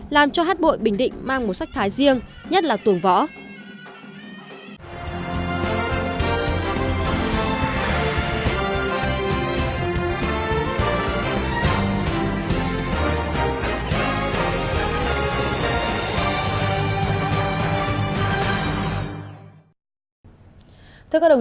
làm cho hát bội bình định mang một sách thái riêng nhất là tuồng võ